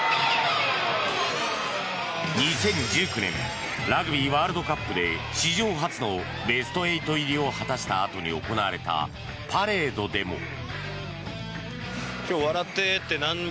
２０１９年ラグビーワールドカップで史上初のベスト８入りを果たしたあとに行われたパレードでも。